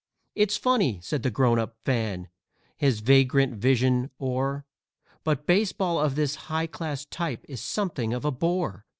"It's funny," said the Grown up Fan, his vagrant vision o'er, "But baseball of this high class type is something of a bore.